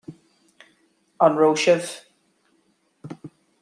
An raibh sibh